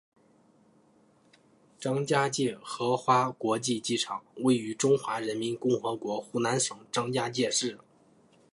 张家界荷花国际机场位于中华人民共和国湖南省张家界市。